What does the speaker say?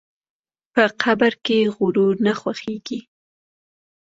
په قبر کې غرور نه ښخېږي.